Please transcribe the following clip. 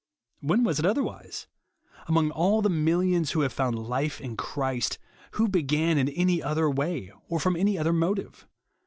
When was it otherwise ? Among all the millions v/ho have found life in Christ, who began in any other way, or from any higher motive